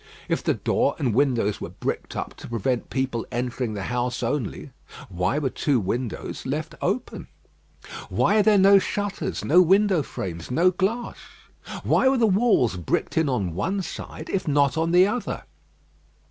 If the door and windows were bricked up to prevent people entering the house only, why were two windows left open? Why are there no shutters, no window frames, no glass? Why were the walls bricked in on one side if not on the other?